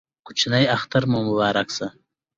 کوچینۍ اختر مو مبارک شه